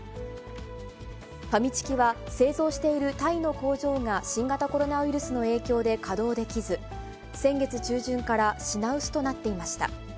ファミチキは、製造しているタイの工場が、新型コロナウイルスの影響で稼働できず、先月中旬から品薄となっていました。